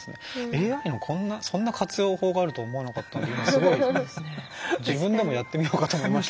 ＡＩもそんな活用法があるとは思わなかったんで自分でもやってみようかと思いました。